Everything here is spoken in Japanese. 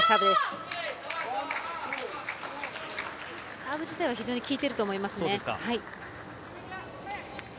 サーブ自体は非常に効いてると思います。